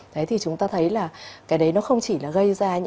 thế thì chúng ta thấy là cái đấy nó không chỉ gây ra